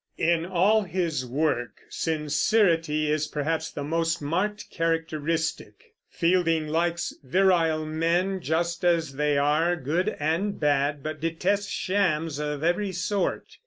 In all his work sincerity is perhaps the most marked characteristic. Fielding likes virile men, just as they are, good and bad, but detests shams of every sort.